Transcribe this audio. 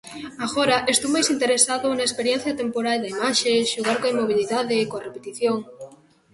Agora estou máis interesado na experiencia temporal da imaxe, xogar coa inmobilidade, coa repetición...